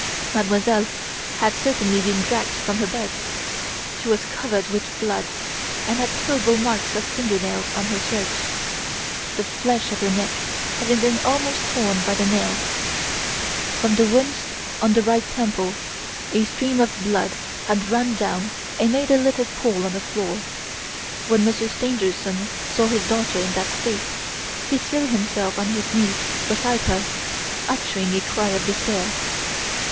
Mademoiselle had certainly been dragged from her bed. She was covered with blood and had terrible marks of finger nails on her throat, the flesh of her neck having been almost torn by the nails. From a wound on the right temple a stream of blood had run down and made a little pool on the floor. When Monsieur Stangerson saw his daughter in that state, he threw himself on his knees beside her, uttering a cry of despair.